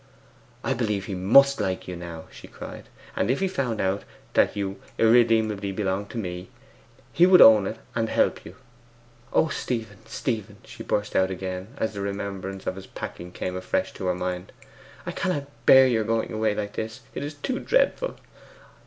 'I believe he MUST like you now,' she cried. 'And if he found that you irremediably belonged to me, he would own it and help you. 'O Stephen, Stephen,' she burst out again, as the remembrance of his packing came afresh to her mind, 'I cannot bear your going away like this! It is too dreadful.